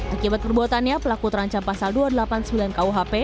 akibat perbuatannya pelaku terancam pasal dua ratus delapan puluh sembilan kuhp